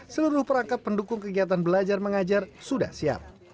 seluruh perangkat pendukung kegiatan belajar mengajar sudah siap